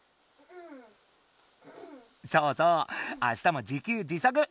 そうそうあしたも自給自足！